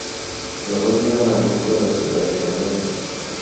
Los dos llegan al núcleo del Superintendente.